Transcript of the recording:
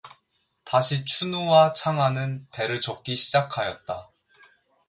다시 춘우와 창하는 배를 젓기 시작하였다.